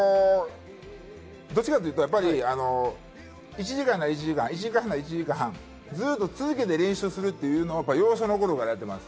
どちらかというと、１時間なら１時間、ずっと続けて練習するというのは幼少の頃からしています。